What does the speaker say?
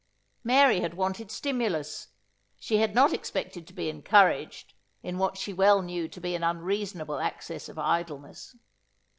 Mary had wanted stimulus. She had not expected to be encouraged, in what she well knew to be an unreasonable access of idleness.